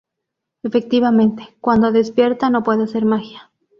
Efectivamente, cuando despierta no puede hacer magia.